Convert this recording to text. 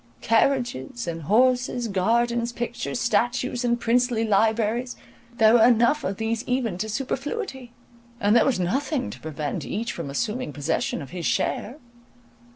Carriages and horses, gardens, pictures, statues, and princely libraries, there were enough of these even to superfluity; and there was nothing to prevent each from assuming possession of his share.